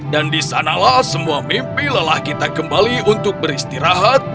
dan disanalah semua mimpi lelah kita kembali untuk beristirahat